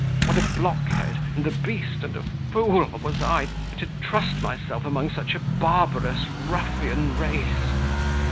What a blockhead, and a beast, and a fool, was I to trust myself among such a barbarous ruffian race!